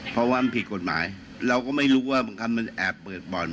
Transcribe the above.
เพราะว่ามันผิดกฎหมายเราก็ไม่รู้ว่าบางคำมันแอบเปิดบ่อน